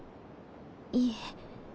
いえ。